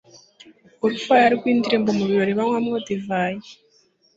urufaya rw'indirimbo mu birori banywamo divayi